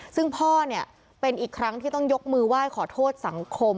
ซึ่งพ่อเนี่ยเป็นอีกครั้งที่ต้องยกมือไหว้ขอโทษสังคม